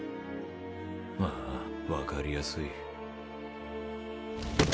ああ分かりやすい